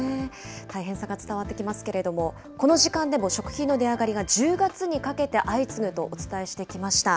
大変さが伝わってきますけれども、この時間でも食品の値上がりが１０月にかけて相次ぐとお伝えしてきました。